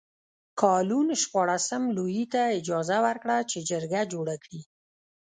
کالون شپاړسم لویي ته مشوره ورکړه چې جرګه جوړه کړي.